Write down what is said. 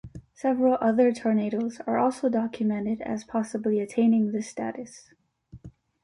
Several other tornadoes are also documented as possibly attaining this status.